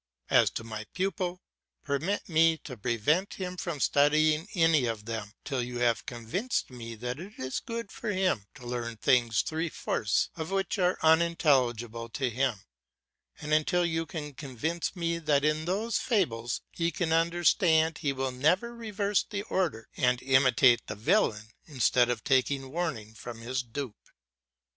As to my pupil, permit me to prevent him studying any one of them till you have convinced me that it is good for him to learn things three fourths of which are unintelligible to him, and until you can convince me that in those fables he can understand he will never reverse the order and imitate the villain instead of taking warning from his dupe.